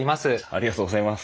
ありがとうございます。